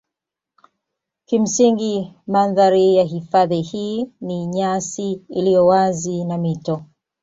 Kimsingi mandhari ya hifadhi hii ni nyasi iliyo wazi na mito.